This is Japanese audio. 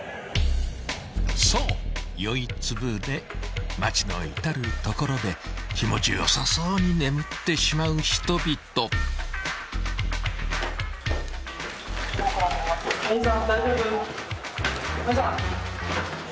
［そう酔いつぶれ街の至る所で気持ちよさそうに眠ってしまう人々］・お兄さん。